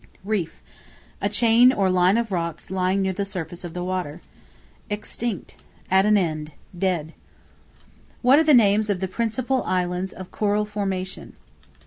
Reef, a chain or line of rocks lying near the surface of the water. Extinct, at an end, dead. What are the names of the principal islands of Coral formation?